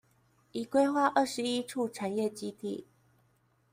已規劃二十一處產業基地